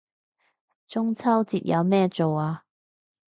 中秋節有咩做啊